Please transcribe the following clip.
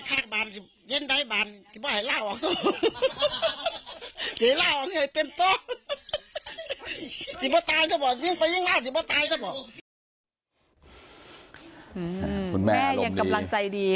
คุณแม่อารมณ์ยังกำลังใจดี